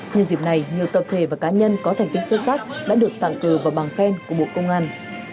nhân dịp này nhiều tập thể và cá nhân có thành tích xuất sắc đã được tặng cờ và bằng khen của bộ công an